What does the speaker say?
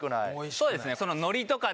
そうですね。